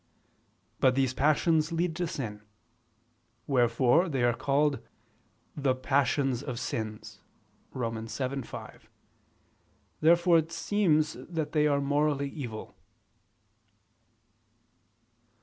But these passions lead to sin: wherefore they are called "the passions of sins" (Rom. 7:5). Therefore it seems that they are morally evil.